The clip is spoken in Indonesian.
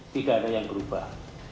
tidak ada yang berubah